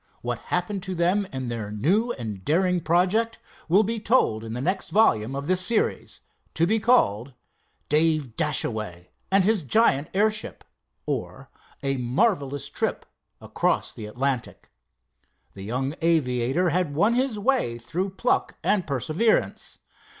What happened to them in their new and daring project, will be told in the next volume of this series, to be called, "Dave Dashaway and His Giant Airship; Or, A Marvelous Trip Across the Atlantic." The young aviator had won his way through pluck and perseverance.